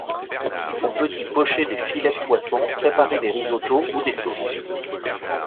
On peut y pocher des filets de poisson, préparer des risottos ou des sauces.